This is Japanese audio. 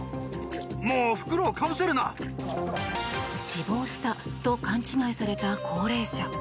死亡したと勘違いされた高齢者。